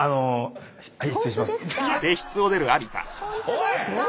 おい！